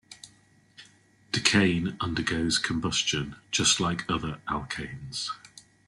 Decane undergoes combustion, just like other alkanes.